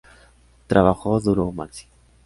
Trabajo duro Maxi